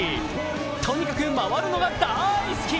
とにかく回るのが大好き！